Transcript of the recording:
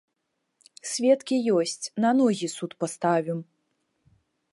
Сведкі ёсць, на ногі суд паставім!